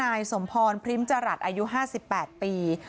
นายสมพรพริมจรัสอายุ๕๘ปี